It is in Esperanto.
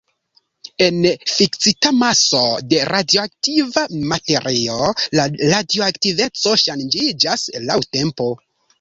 En fiksita maso de radioaktiva materio, la radioaktiveco ŝanĝiĝas laŭ tempo.